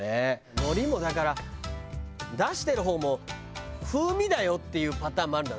海苔もだから出してる方も風味だよっていうパターンもあるだろうしね。